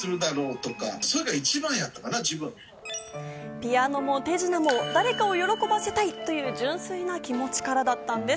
ピアノも手品も誰かを喜ばせたいという純粋な気持ちからだったんです。